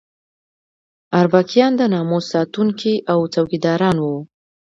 اربکیان د ناموس ساتونکي او څوکیداران وو.